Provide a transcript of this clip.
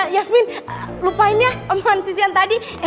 yasmin lupain ya eman sisian tadi